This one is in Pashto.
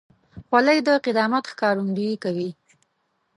خولۍ د قدامت ښکارندویي کوي.